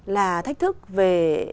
là thách thức về